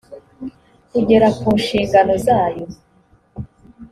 kugera ku nshingano zayo